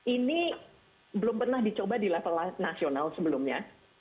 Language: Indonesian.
ini belum pernah dicoba di level nasional sebelumnya